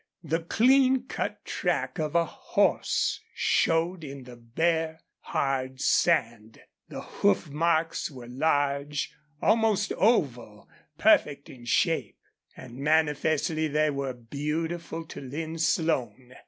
The clean cut track of a horse showed in the bare, hard sand. The hoof marks were large, almost oval, perfect in shape, and manifestly they were beautiful to Lin Slone.